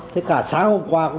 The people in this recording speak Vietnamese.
thế cả sáng hôm qua có ba